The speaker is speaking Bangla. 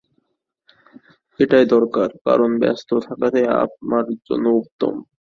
এটাই দরকার, কারন ব্যস্ত থাকাটাই আমার জন্য উত্তম।